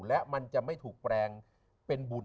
และมันจะไม่ถูกแปลงเป็นบุญ